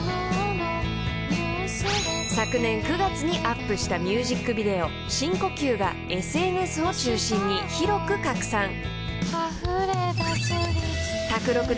［昨年９月にアップしたミュージックビデオ『深呼吸』がＳＮＳを中心に広く拡散］